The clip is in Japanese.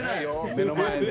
目の前で。